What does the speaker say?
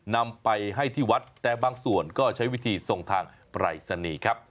นำไปให้ที่วัดแต่บางส่วนก็ใช้วิธีส่งทางปรายศนีย์ครับ